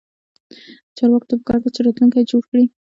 چارواکو ته پکار ده چې، راتلونکی جوړ کړي